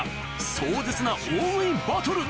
壮絶な大食いバトル